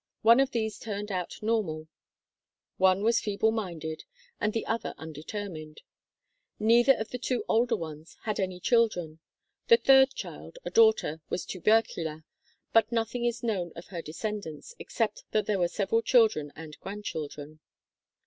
One of these turned out normal, one was feeble minded, and the other undeter mined. Neither of the two older ones had any chil dren. The third child, a daughter, was tubercular, but nothing is known of her descendants, except that there were several children and grandchildren.